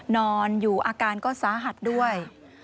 นอนอยู่อาการก็สาหัสด้วย